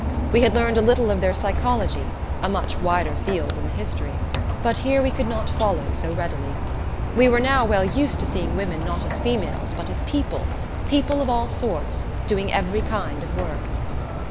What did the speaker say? We had learned a little of their psychology, a much wider field than the history, but here we could not follow so readily. We were now well used to seeing women not as females but as people; people of all sorts, doing every kind of work.